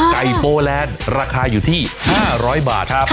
โปแลนด์ราคาอยู่ที่๕๐๐บาทครับ